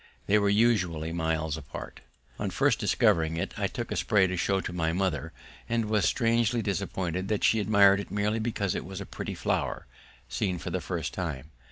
They were usually miles apart. On first discovering it I took a spray to show to my mother, and was strangely disappointed that she admired it merely because it was a pretty flower, seen for the first time.